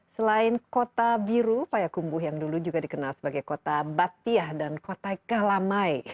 selain kota biru payakumbuh yang dulu juga dikenal sebagai kota batiah dan kota kalamai